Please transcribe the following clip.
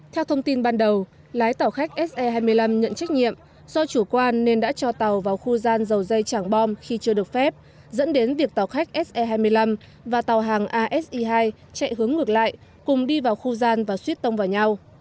theo thông tin ban đầu lái tàu khách se hai mươi năm nhận trách nhiệm do chủ quan nên đã cho tàu vào khu gian dầu dây trảng bom khi chưa được phép dẫn đến việc tàu khách se hai mươi năm và tàu hàng ase hai chạy hướng ngược lại cùng đi vào khu gian và suýt tông vào nhau